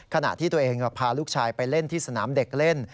ขณะที่ตัวเองพาลูกชายไปเล่นที่สนามเด็กเล่น